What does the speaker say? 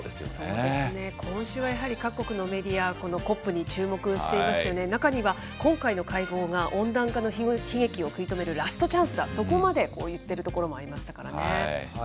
そうですね、今週は各国のメディア、ＣＯＰに注目していましたよね、中には今回の会合が温暖化の悲劇を食い止めるラストチャンスだ、そこまで言ってるところもありましたからね。